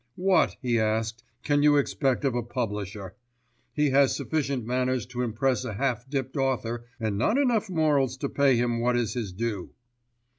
"What," he asked, "can you expect of a publisher? He has sufficient manners to impress a half dipped author, and not enough morals to pay him what is his due."